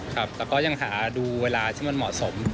แล้วก็ยังหาดูเวลาที่มันเหมาะสม